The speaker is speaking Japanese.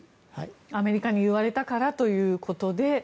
アメリカに言われたからということで。